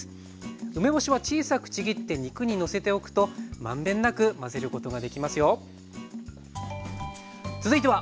梅干しは小さくちぎって肉にのせておくと満遍なく混ぜることができますよ。